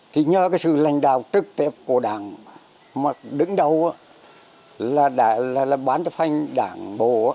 thì nhờ cái sự lãnh đạo trực tiếp của đảng mà đứng đầu là bán cho phanh đảng bộ